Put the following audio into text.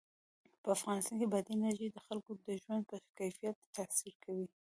په افغانستان کې بادي انرژي د خلکو د ژوند په کیفیت تاثیر کوي.